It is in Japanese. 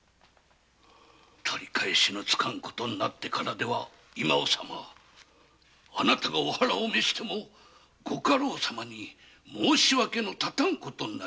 取り返しのつかぬことになってからでは今尾様あなたがお腹を召してもご家老様に申し訳のたたぬことになりますぞ。